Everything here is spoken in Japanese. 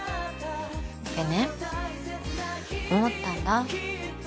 でね思ったんだ。